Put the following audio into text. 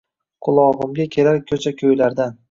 Qulog’imga kelar ko’cha-ko’ylardan